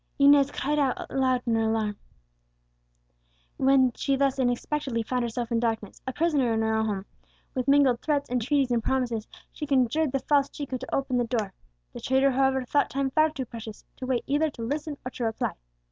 Inez cried out aloud in her alarm, when she thus unexpectedly found herself in darkness, a prisoner in her own home. With mingled threats, entreaties, and promises she conjured the false Chico to open the door. The traitor, however, thought time far too precious to wait either to listen or to reply.